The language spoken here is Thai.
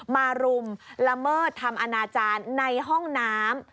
รุมละเมิดทำอนาจารย์ในห้องน้ำ